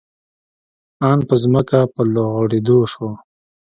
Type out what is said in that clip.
آن په ځمکه په لوغړېدو شو.